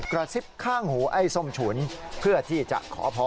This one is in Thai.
กระซิบข้างหูไอ้ส้มฉุนเพื่อที่จะขอพร